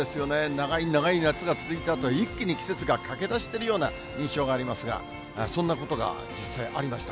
長い長い夏が続いたあと、一気に季節が駆け出してるような印象がありますが、そんなことが実際ありました。